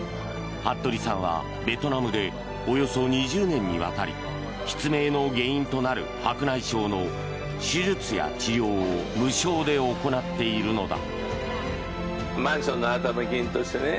服部さんはベトナムでおよそ２０年にわたり失明の原因となる白内障の手術や治療を無償で行っているのだ。